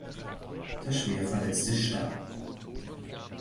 Der Schwerverletzte starb.